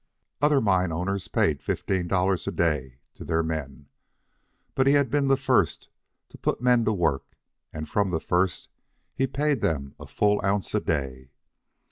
Other mine owners paid fifteen dollars a day to their men; but he had been the first to put men to work, and from the first he paid them a full ounce a day.